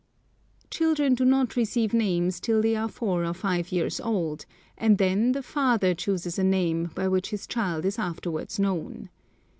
Children do not receive names till they are four or five years old, and then the father chooses a name by which his child is afterwards known.